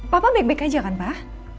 papa baik baik aja kan pak